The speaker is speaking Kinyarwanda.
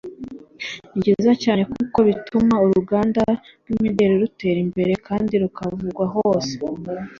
ni byiza cyane kuko bituma uruganda rw’imideli rutera imbere kandi rukavugwa hose